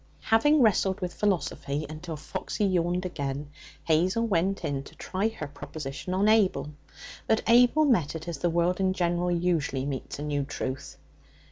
Having wrestled with philosophy until Foxy yawned again, Hazel went in to try her proposition on Abel. But Abel met it as the world in general usually meets a new truth.